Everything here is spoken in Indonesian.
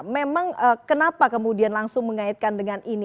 memang kenapa kemudian langsung mengaitkan dengan ini